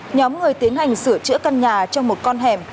nhóm người tiến hành sửa chữa căn nhà trong một con hẻm